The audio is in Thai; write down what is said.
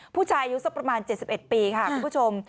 ผู้ชายอายุสักประมาณ๗๑ปีค่ะคุณผู้ชม